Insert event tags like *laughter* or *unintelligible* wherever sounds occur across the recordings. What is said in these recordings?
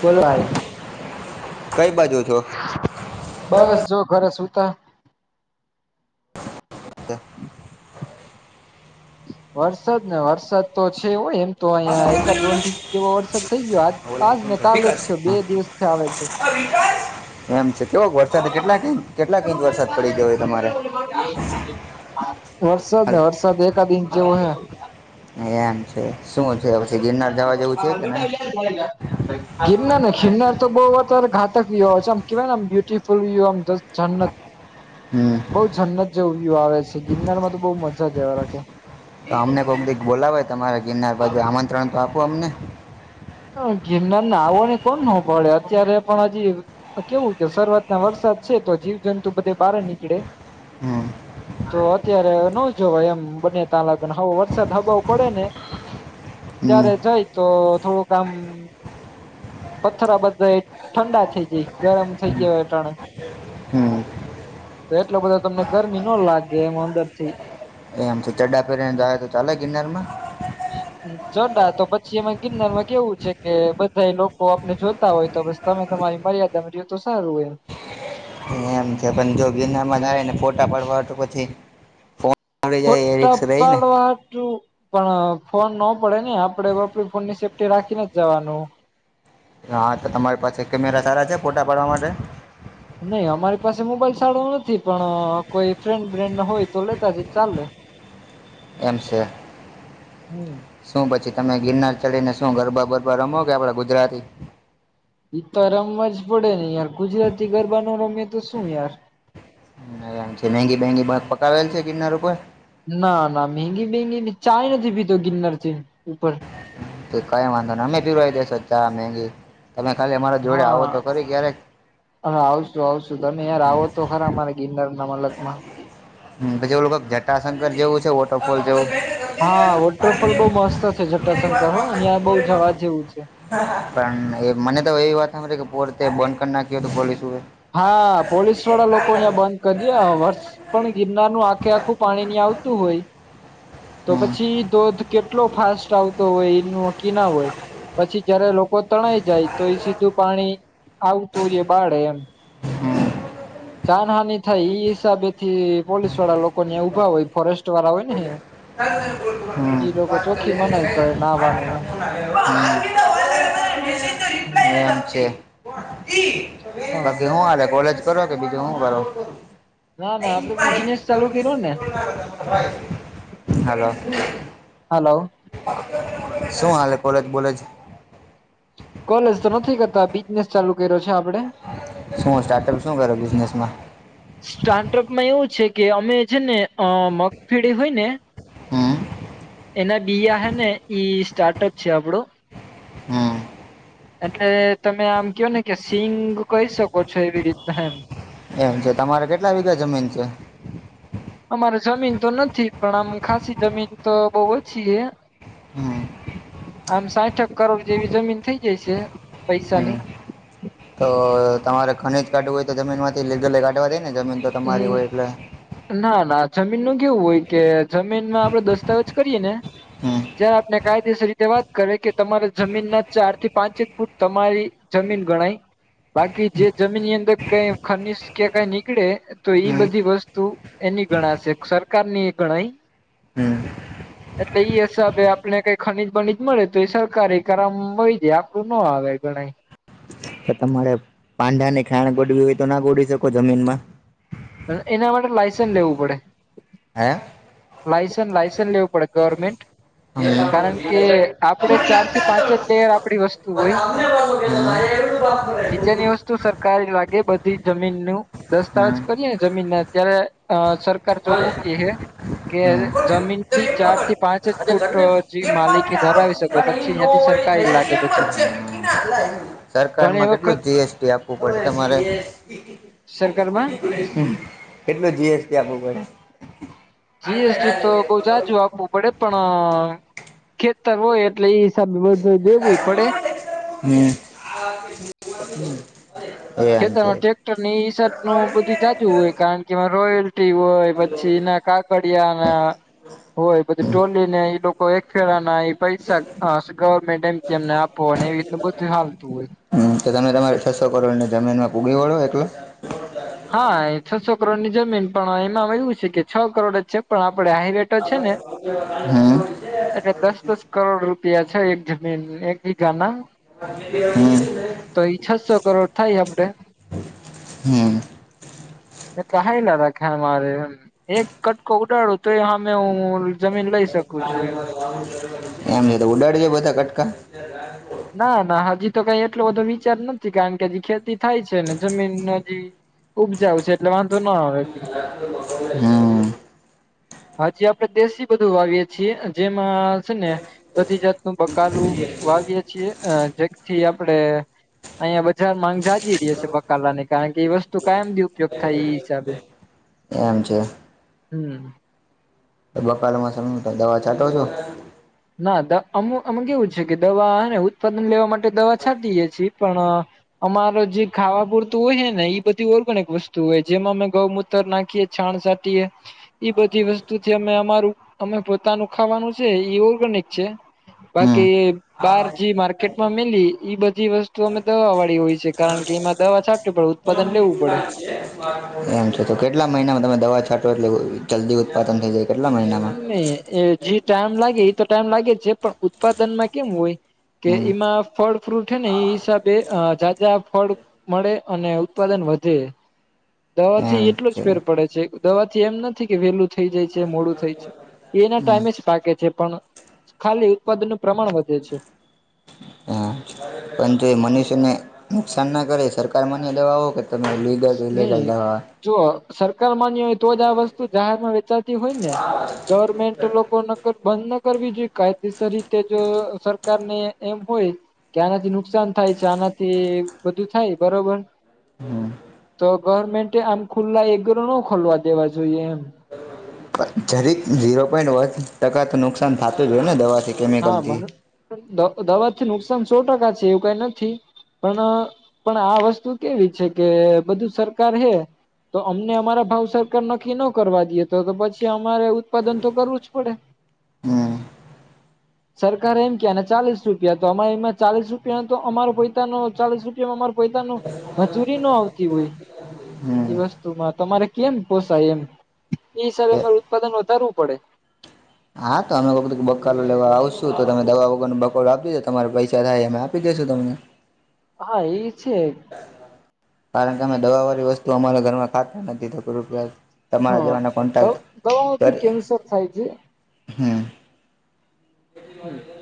બોલો કઈ બાજુ છો બસ જો ઘરે સુ તા *unintelligible* વરસાદ ને વરસાદ તો છેવય એમ. તો અહીંયા એકાદ દોઢ ઈંચ જેવો વરસાદ થઇ ગયો આજ ને કાલ જ વિકાસ થયો બે હા. દિવસથી આવે છે. આ વિકાસ એમ છે કેવો વરસાદ કેટલાક ઇંચ કેટલાક ઇંચ વરસાદ પડી ગયો તમારે? વરસાદ હાલ વરસાદ એકાદ‌ ઈંચ ‌જેવો‌ અહે. એમ છે શું છે પછી ગિરનાર જવા જેવું છે કે નહીં *unintelligible* ગિરનાર તો બહુ અતારે ઘાતક વ્યુ હોય છે આમ કેવાય ને આમ બ્યુટફુલ વ્યુમ જન્નત હમ બઉ જન્નત જેવું આવે છે ગિરનારમાં તો બઉ મજા જવા રાખ તો અમને કોઈકી બોલાવે તમારે ગિરનાર બાજુ આમંત્રણ તો આપો અમને. ગિરનાર ના આવવાને કોણ ન પળે અત્યારે પણ હજી કેવું કે શરૂઆત ના વર્ષ છે તો જીવ જંતુ બધે બહાર નીકળે હમ્મ. તો અત્યારે ન જોવા એમ બને ત લગને હવેો વરસાદ હબાવ પડે ને હમ ત્યારે જય તો થોડું કામ પથ્થરા બધા ઠંડા થઇ જાય ગરમ થઇ ગાય અટાણે. હમ તો એટલો બધો તમને ગરમી ન લાગે એમ અંદરથી. *unintelligible* પેરીને જાય તો ચાલે ગિનારમાં ચડા તો પછી એમાં ગિનારમાં કેવું છે કે બધા એ લોકો આપને જોતા હોય તો બસ તમે મર્યાદા મા આમ‌ રીએ તો સારું એમ. એમ છે પણ જો બનાને ફોટા પાડવા તો પછી આવડી જાય એ ફોટા રિક્સ રહી ને પળવા હટું પણ ફોન ન પડે ને આપડે આપડી‌ ફોનની સેફ્ટી રાખીને જ જવાનું. હા તો તમારી પાસે કેમેરા સારા છે ફોટા પાડવા માટે? નહી અમારી પાસે મોબાઈલ સારો નથી પણ કોઈ ફ્રેન્ડ બ્રેન્ડ હોય તો લેતા જ ચાલે. એમસે હમ સુુંબચિત તમે ગિરનાર ચડીને શું ગરબા બરબા રમો કે આપડા ગુજરાતી. ઈ તો રમવા જ પડે ને યાર ગુજરાતી ગરબા નો રમે તો શું યાર. મ છે મગી બેંગી ભાગ પકાવેલ છે ગિરનાર ઉપર? ના ના મેંગી મેંગી ચાય નથી પીતો ગિરનાર થી ઉપર કઈ વાંધો ને અમે પીવાય દેસો ચા ને મેગી. તમે ખાલી અમારા જોડે આવો હા તો ખરી ક્યારેક અને આવશું આવશું તમે યાર આવો તો ખરા મારે ગિરનાર. તમામલકમાં હ પછી એવું જટાશંકર જેવું છે વોટરફોલ જેવું! હા વોટરફોલ બહ મસ્ત છે જટાશંકર અ બહ ત્યાં જવા જેવું છે. પણ એ મને તો એવી વાત સાંભળે કે પોરતે બંધ કરી નાખી હો તો પોલીસ હા પોલીસ વાળા લોકો અહીયા બંધ કરી દે વર્ષ પણ આખે આખું પાણી ની આવતું હોય તો હમ પછી ધોધ કેટલો ફાસ્ટ આવતો હોય એ નકી ના હોય. પછી જયારે લોકો તણાઈ જાય તો એ સીધું પાણી આવતું હોય બાળે એમ. હમ જાનહાની થાય ઈ હિસાબે થી પોલીસ વાળા લોકો ઉભા હોય ફોરેસ્ટ વાળા હોય ને એમ ઈ લોકો ચોખ્ખી મનાઈ કરે નાહવાની હમ હમ એમ છે હા બાકી શું હલે કોલેજ કરો કે બીજું હું બરો? ના ના આપડે બિઝનેસ ચાલુ કર્યો ને હલો હલો શું હાલે કોલેજ બોલેજ બસ ચાલુ કર્યો છે આપડે શું સ્ટાર્ટઅપ શું કરે બિઝનેસમાં સ્ટાર્ટઅપમાં એવું છે કે અમે છે ને અ મગફેળી હોય ને હમ એના બીયા હે ને ઈ સ્ટાર્ટઅપ છે આપડો હમ એટલે તમે આમ કયો ને કે સિંગ કહી શકો છો એવી રીતના એમ એમ કે તમારે કેટલા વિઘા જમીન છે અમારે જમીન તો નથી પણ આમ ખાસી જમીન તો બઉ ઓછી હે હમ આમ સાઠેક કરોડ જેવી જમીન થઇ જાય છે હમ પૈસાની તો તમારે ખનીજ કાઢવું હોય તો જમીન માંથી લીગલી કાઢવા દે ને જમીન તો હમ તમારી હોય એટલે ના ના જમીન નું કેવું હોય કે જમીનમાં આપડે દસ્તાવેજ કરીએ ને હમ જ્યાં આપણે કાયદેસર રીતે વાત કરે કે તમારા જમીન ના ચાર થી પાંચે ફૂટ તમારી જમીન ગણાય બાકી જે જમીન ની અંદર કઈ ખનીજ કે કઈ નીકળે તો એઈ હમ બધી વસ્તુ એની ગણાશે સરકાર ની એ ગણાય હ *inaudible* એટલે એઈ હિસાબે આપણે કઈ ખનીજ બનીજ મળે તો એ સરકાર એ કરામ હોય જાય આપડું ના આવે. *unintelligible* તો તમારે પાંડાની ખાણ ગોડવી હોય તો ના ગોડી શકો જમીનમાં એના માટે લાયસન્સ લેવું પડે હ લાસન્ લાયસન્સ લેવું પડે ગવર્મેન્ટ હા હા કારણ કે આપડે ચાર થી પાંચ જ લેયર આપડી વસ્તુ હોય નીચેની વસ્તુ સરકારી લાગે બધી બધી જમીન નું દસ્તાવેજ કરીએ જમીન ના અત્યારે સરકાર ચોખ્ખું કે હે કે જમીન થી ચાર થી પાંચ જ ફૂટ જે માલિકી ધરાવી શકો પછી અ્યાંથી સ્ટાર્ટ ઘણી સરકારમાં વખત કેટલું જીએસટી આપવું પડે તમારે સરકારમાં કેટલું જીએસટી આપવું પડે જીએસટી તો બઉ જાજુ આપવું પડે પણ ખેતર હોય એટલે બધું ય દેવું પડે હમ હમ એમ છે ખેતરમાં ટ્રેક્ટર ની હિસાબ નું બધું જાજુ હોય કારણ કેમાં રોયલ હોય પછી એના હમ કાગડિયા ના હોય પછી ટોલીને કોઈ એક ફેરા ના ઈ પૈસા ગવર્મેન્ટ એમ એમને આપો એવી રીત બધું હાલતું હોય તો તમે તમારી છસો કરોડની જમીનમાં પૂકી વળો એટલો હા ઈ છસો કરોડની જમીન પણ એમાં એવું છે કે છ કરોડ જ છે પણ આપડ આહી રેટો છે ને હમ એ દસ દસ કરોડ રૂપ ત્યાં છે એક જમીન એક વીઘા ના હમ તો એ છસો કરોડ થાય આપડે હમ તો કઈ લે રાખે અમારે એક કટકો ઉડાડું તો હામે હું જમીન લઈ શકું છું એમ એમ તો ઉડાડી દે બધા કટકા ના ના હજી તો કઈ એટલોું બધો વિચાર નથી કારણ કે હજી ખેતી થાય છે ને જમીન બધી ઉપજાવ છે એટલે વાંધો ન આવે હમ હાજી આપડણે દેશી બધું વાવીએ છીએ જેમાં છે ને બધી જાતનું બકાલું વાવીએે છીએ જેથી આપણેે અહીયાં બજાર માંગ જાજી રહી છે બકાલા ની કારણ કે એ વસ્તુ કાયમથી ઉપયોગ થાય એ હિસાબે એમ છે હમ બકાાલમાં સમ તો દવા છાંટો છો ના અમુ અમ કેવું છે કે દવાને ઉત્પાદન લેવા માટે દવા છાટીએે છીએ પણ અમારો જે ખાવા પૂરતું હોય છે ને એ બધી ઓર્ગેનિક વસ્તુ હોય જેમાં અમે ગૌમૂત્ર નાખીએ છાણ બધી વસ્તુથી અમે અમારું અમે પોતાનું ખાવાનું છે એ નીક છે હમ બાકી બાર જે માર્કેટમાં મેિલી એઈ બધી વસ્તુ અમે દવા વાળી હોય છે કારણ કે જેમાં દવા છાટ પડે ઉત્પાદન લેવું પડે એમ છે તો કેટલા મહિનામાં તમે દવા છાંટો એટલે જલ્દી ઉત્પાદન થઈ જાય કેટલા મહિનામાં ને એ જે ટાઈમ લાગે એ તો ટાઈમ લાગે જ છે પણ ઉત્પાદન માં કેમ હોય કે હમ એમાં ફળ ફ્રૂટ છે ને એ હિસાબે જાદા ફળ મળે અને ઉત્પાદન વધે દવા એમ થી એટલો છે જ ફેર પડે છે દવા થી એમ નથી કે વેલું થઈ જાય છે મોડું થઈાય એના હમ ટાઈમે જ પાકે છે પણ ખાલી ઉત્પાદન નું પ્રમાણ વધે છે હ પરંતુ એ મનુષ્યને નુકસાન ના કરે સરકાર મને લેવાવો કે તોમે લલીગઢ વિલે કા હો નહી હતા જો સરકાર માન્ય હોય તો જ આ વસ્તુ જાહેર માં વેચાતી હોય ને ગવર્મેન્ટ લોકો ની તો બંધ ના કરવી જોઈએ કાયદેસર રીતે જો સરકાર ને એમ હોય કે આનાથી નુકસાન થાય છે આનાથી બધું થાય બરોબર હમ તો ગવર્મેન્ટે આમ ખુલ્લા એ ઘરો ન ખોલવા દેવા જોઈએ એમ જરીક ઝીરો પોઈન ટકા તો નુકસાન થતું જોઈ ને દવા હા મને દવાથી નુકસાન સો ટકા છે એવું કઈ નથી પણ પણ આ વસ્તુ કેવી છે કે બધું સરકાર હે તો અમને અમારા ભાવ સરકાર નક્કી ન કરવા દેએ તો તો પછી અમારે ઉત્પાદન તો કરવું જ પડે હા સરકારે એમ કયા ને ચાલીસ રૂપિયા તો અમા એમાં ચાલીસ રૂપિયા તો અમારો પૈતા ન ચાલીસ રૂપિયા પતા ન મજૂરી ન આવતી હોય હમ એ વસ્તુમાં તમારે કેમ પોસાય એમ એ સર અરે ઉત્પાદન વધારવું પડે હા તો અમે કો બકોરો લેવા આવશુ તો તમે દવા વગરો બકોડ આપ દેજો તમારે પૈસા થાય અમે આપી દેશ તને હા એ છે કારણ કે અમે દવાવાળી વસ્તુ અમારા ઘરમાં ખાતા નથી તો ક રપસ હા દવા થી કેન્સર થાય છે હા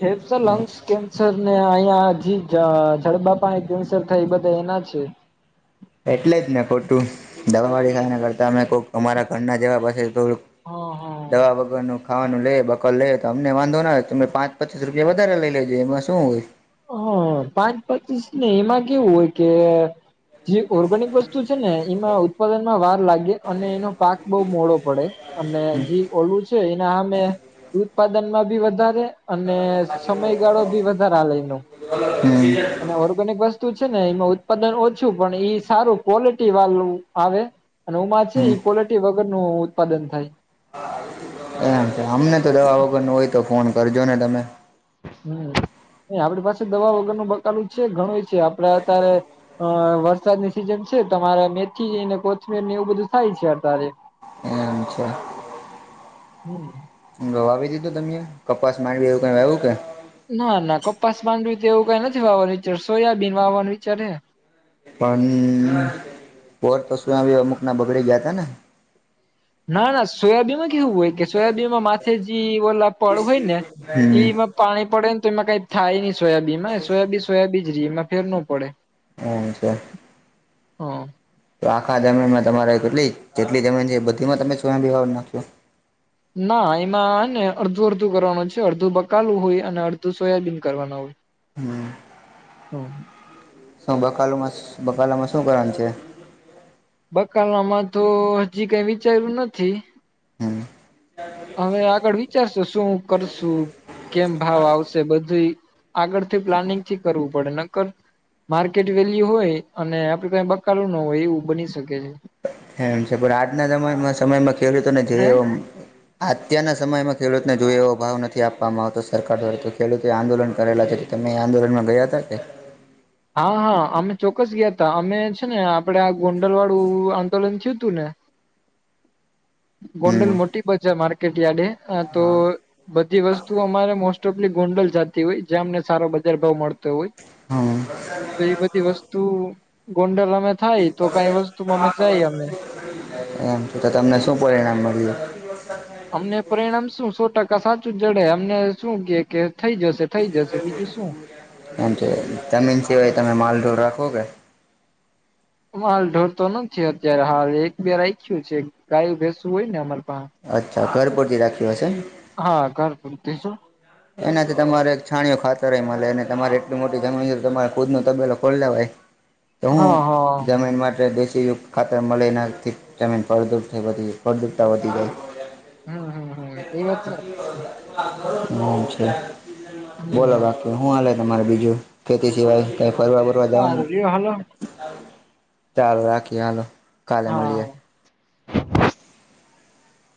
જે તો લંગ્સ કેન્સર અહિયાં જડબાપ કેન્સર થાય એ બધા એના છે એટલે જ ને ખોટું દવા વાળી ખા કરતા અમે કોઈક અમારા ઘરના જવા પાસે થોડુંક હા હા. દવા બગવાનું ખાવાનું લે બકર લે તો અમને વાંધો ના હોય તમે પાંચ પચીસ રૂપિયા વધારે લઈ લેજે એમાં શું હોય હા પાંચ પચીસ ને એમાં કેવું હોય કે જે ઓર્ગેનિક વસ્તુ છે ને એમાં ઉત્પાદનમાં વાર લાગે અને એનો પાક બહુ મોડો પડે અને જે ઓળું છે એના અમે ઉત્પાદનમાં બી વધારે અને સમયગાળો બી વધારે લે ન હ અને ઓર્ગેનિક બસ છે ને એમાં ઉત્પાદન ઓછું, પણ ઈ સારું ક્વોલિટી વાળું આવે. અને ઓમાં છે, હમ ઈ કોલટી વગર નું ઉત્પાદન થાય. *inaudible* અમને તો દવા વગર નો હોય, તો ફોન કરજો ને તમે. હમ. આપણી પાસે દવા વગરનું બકાલું છે, ઘણું છે. આપડે અત્યારે અ વરસાદની સિઝન છે. તમારે મેથી ને કોથમીર ને એવું બધું થાય છે અતારે. એમ છે. હમ. રવાવી દીધું તમે કપાસ માંડવી એવું કાઇ વાયવુ કે? ના ના કપાસ માંડવી કે એવું કાઈ નથી વાવવાનો વિચાર, સોયાબીન વાવવાનું વિચાર હે. પણ વર તો શું આવી અમુક ના બગડી ગયા તા ને ના-ના સોયાબીન માં કેવું હોય, કે સોયાબીન માં માથે જે ઓલા પળ હોય ને હમ એમાં પાણી પડે ને તો એમાં કઈ થાય નહ, સોયાબીન માં સોયાબીન સોયાબીજ રે એમાં ફેર નો પડે. અચ છેા હા. તો આખા જમીનમાં તમારે કેટલી જેટલી જમીન છે, એ બધીમાં તમે સોયાબીન વાવી નાખશો? ના એમાં ને અડધું-અડધું કરવાનું છે, અડધું બકાલું હોય અને અડધું સોયાબીન કરવાનું હોય. હમવવ હમ.. શું બકાાલુમાં શ બકાલામાં શું કરવાનું છે? બકાલામાં તો હજી કંઈ વિચાર્યું નથી. હમ હવે આગળ વિચારશું શું કરશું? કેમ ભાવ આવશે બધુંય, આગળથી પ્લાનિંગ થી કરવું પડે નકર માર્કેટ વેલ્યુ હોય અને આપડી પાહે બકાલુ ના હોય એવું બની શકે છે. એમ છે. પણ આજના જમાન મા સમયમાં ખેડૂતોને જે હે ઓ અત્યારના સમયમાં ખેડૂતને જો એવો ભાવ નથી આપવામાં આવતો સરકાર દ્વારા, તો ખેડૂતે આંદોલન કરેલા છે. અમે આંદોલન માં ગયા તા કે? હા-હા. અમે ચોક્કસ ગયા તા અમે છે, ને આપડે આ ગોંડલવાડું આંદોલન થયું તું ને *inaudible* ગોંડલ હમ મોટી પજા માર્કેટ યાર્ડ. આ તો હા બધી વસ્તુ અમારે મોસ્ટ પલી ગોંડલ જતી હોય, જ્યાં અમને સારો બજાર ભાવ મળતો હોય. હા. તો એ બધી વસ્તુ ગોંડલ અમે થાયતો કઈ વસ્તુમાં અમે જાય અમે. એમ. તો તમને શું પરિણામ મળ્યું? અમને પરિણામ શું સો ટકા સાચું જડે. અમને શું કે-કે થઈ જશે, થઈ જશે, બીજું શું? એમ કે, જમીન સિવાય તમે માલઢોર રાખો કે? માલ ઢોરતો નથી અત્યારે હાલ એક બે રાખ્યું છે ગાયુ-ભેંસુ હોય ને અમારે. અચ્છા. ઘર પુરતી રાખી હશે. હા. ઘર પૂરતી જ હો. એનાથી તમારે એક છાણયો ખાતરેય મળે અને તમારે એટલી મોટી જમીન તમારે ખુદ નો તબેલો ખોલ લેવાય. તો, હું હા હા જમીન માટે ખાતર મળે એનાથી જમીન ફળદુરતા ફળદ્રુપતાવધી જાય. હ હમ હમ હમ એ વાત સાચી છે બોલો હમ રાખ હું હાલે તમારે બીજું? ખેતી સિવાય. ત ફરવા-બરવા જવાનું? સારું રહ્યો હાલો ચાલ રાખીએ. હાલો, કાલે હા મળીએ.